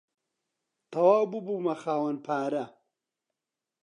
تەواو ببوومە خاوەن پارە.